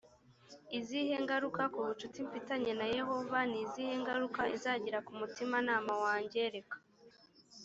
izihe ngaruka ku bucuti mfitanye na yehova ni izihe ngaruka izagira ku mutimanama wange reka